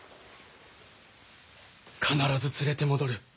必ず連れて戻る。